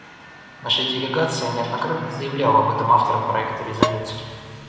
Наша делегация неоднократно заявляла об этом авторам проекта резолюции.